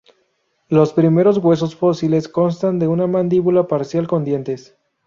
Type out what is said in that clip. Los primeros huesos fósiles constan de una mandíbula parcial con dientes.